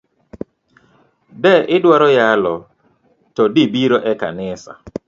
De idwaro yalo to dibiro ekanisa.